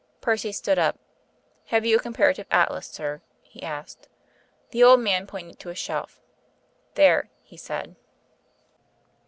Percy stood up. "Have you a Comparative Atlas, sir?" he asked. The old man pointed to a shelf. "There," he said.